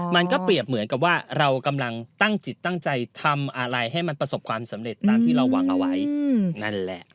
มันก็เปรียบเหมือนกับว่าเรากำลังตั้งจิตตั้งใจทำอะไรให้มันประสบความสำเร็จตามที่เราหวังเอาไว้นั่นแหละ